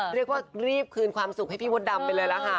เรียกว่ารีบคืนความสุขให้พี่มดดำไปเลยล่ะค่ะ